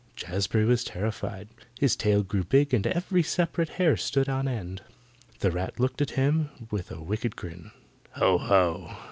Jazbury was terrified. His tail grew big and every separate hair stood on end. The rat looked at him with a wicked grin. "Ho, ho!